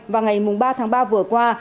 vào ngày ba tháng ba vừa qua